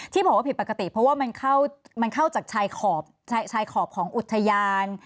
บอกว่าผิดปกติเพราะว่ามันเข้าจากชายขอบชายขอบของอุทยาน